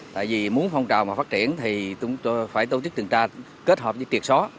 tại vì muốn phong trào phát triển thì phải tổ chức tuần tra kết hợp với triệt só